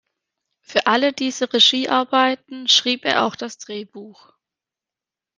Für alle diese Regiearbeiten schrieb er auch das Drehbuch.